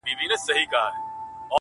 چي په سرو وینو کي اشنا وویني